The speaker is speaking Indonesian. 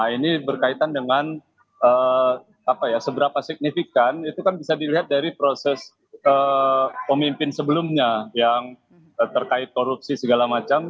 ini berkaitan dengan seberapa signifikan itu kan bisa dilihat dari proses pemimpin sebelumnya yang terkait korupsi segala macam